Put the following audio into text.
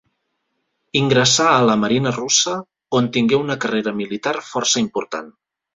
Ingressà a la Marina russa on tingué una carrera militar força important.